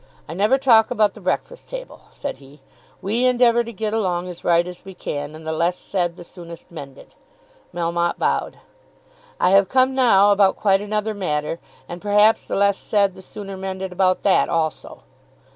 "I never talk about the 'Breakfast Table,'" said he. "We endeavour to get along as right as we can, and the less said the soonest mended." Melmotte bowed. "I have come now about quite another matter, and perhaps, the less said the sooner mended about that also.